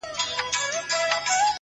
د عمل دوام خام استعداد بدلوي.!